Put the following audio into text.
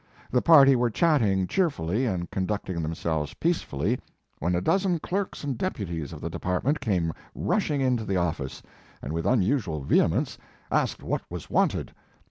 The party were chatting cheerfully and conducting themselves peacefully, when a dozen clerks and deputies of the department came rushing into the office, and with unusual vehemence, asked what was wanted.